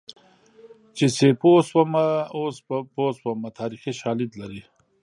چې سیپو شومه اوس په پوه شومه تاریخي شالید لري